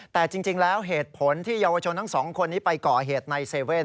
แต่จริงแล้วเหตุผลที่เยาวชนทั้งสองคนนี้ไปก่อเหตุในเซเว่น